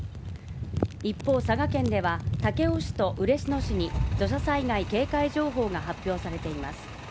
一方佐賀県では、武雄市と嬉野市に土砂災害警戒情報が発表されています。